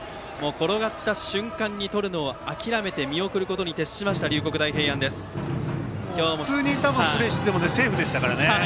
転がった瞬間に取るのを諦めて見送ることに徹しました普通にプレーしていたらセーフでしたからね。